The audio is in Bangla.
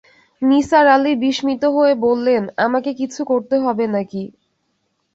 নিসার আলি বিস্মিত হয়ে বললেন, আমাকে কিছু করতে হবে নাকি।